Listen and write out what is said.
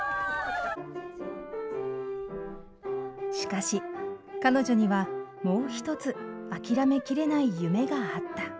しかし彼女にはもう一つ諦め切れない夢があった。